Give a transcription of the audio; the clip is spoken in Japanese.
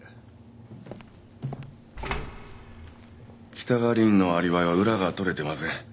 北川凛のアリバイは裏が取れてません。